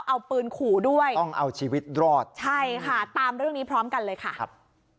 เอาปืนขู่ด้วยต้องเอาชีวิตรอดใช่ค่ะตามเรื่องนี้พร้อมกันเลยค่ะครับ